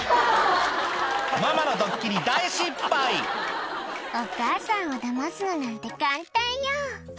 ママのドッキリ大失敗「お母さんをダマすのなんて簡単よ」